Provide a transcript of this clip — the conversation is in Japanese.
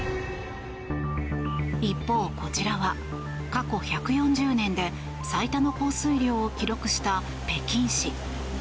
一方、こちらは過去１４０年で最多の降水量を記録した北京市。